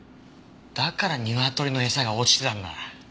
だから鶏の餌が落ちてたんだ。